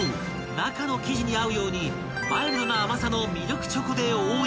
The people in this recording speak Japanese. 中の生地に合うようにマイルドな甘さのミルクチョコで覆い］